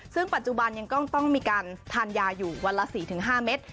ซึ่งปัจจุบันยังต้องมีการทานยาอยู่วันละ๔๕เมตร